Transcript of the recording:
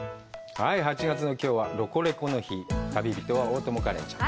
はい８月の今日は「ロコレコ！」の日旅人は大友花恋ちゃん